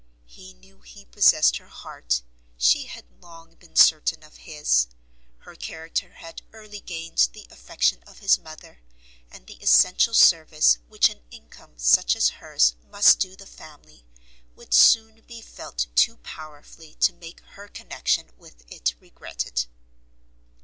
He knew he possessed her heart, she had long been certain of his, her character had early gained the affection of his mother, and the essential service which an income such as hers must do the family, would soon be felt too powerfully to make her connection with it regretted.